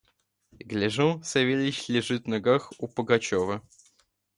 Гляжу: Савельич лежит в ногах у Пугачева.